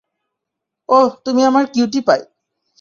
ওহ তুমি আমার কিউট পাই।